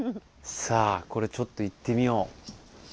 さぁこれちょっと行ってみよう。